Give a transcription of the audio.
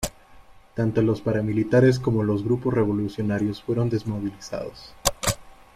Tanto los paramilitares como los grupos revolucionarios fueron desmovilizados.